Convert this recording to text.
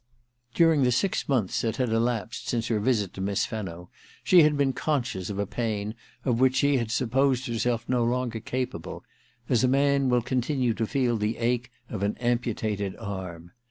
During the six months which had elapsed since her visit to Miss Fenno she had been conscious of a pain of which she had supposed herself no longer capable : as a man will continue to feel the ache of an amputated arm.